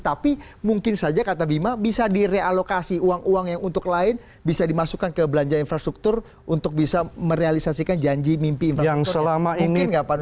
tapi mungkin saja kata bima bisa direalokasi uang uang yang untuk lain bisa dimasukkan ke belanja infrastruktur untuk bisa merealisasikan janji mimpi infrastruktur